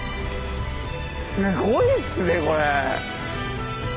すごいですねこれ！